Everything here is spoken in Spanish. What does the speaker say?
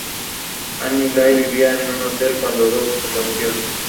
Condujo a la firma del Tratado de Rastatt el año siguiente.